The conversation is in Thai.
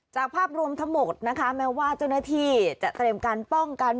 ภาพรวมทั้งหมดนะคะแม้ว่าเจ้าหน้าที่จะเตรียมการป้องกัน